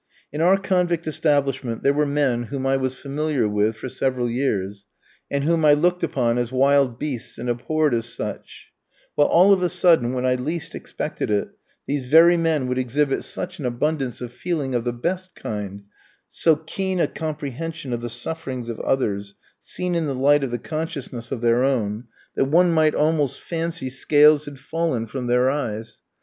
In our convict establishment there were men whom I was familiar with for several years, and whom I looked upon as wild beasts and abhorred as such; well, all of a sudden, when I least expected it, these very men would exhibit such an abundance of feeling of the best kind, so keen a comprehension of the sufferings of others, seen in the light of the consciousness of their own, that one might almost fancy scales had fallen from their eyes.